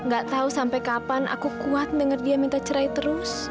gak tau sampai kapan aku kuat denger dia minta cerai terus